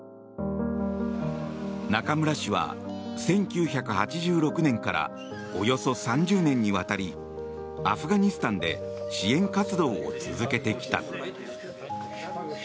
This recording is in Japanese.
中村氏は１９８６年からおよそ３０年にわたりアフガニスタンで支援活動を続けてきた。